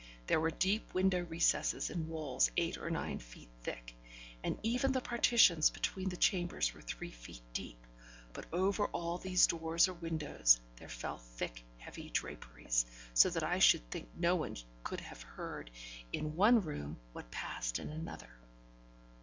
There were deep window recesses in walls eight or nine feet thick, and even the partitions between the chambers were three feet deep; but over all these doors or windows there fell thick, heavy draperies, so that I should think no one could have heard in one room what passed in another.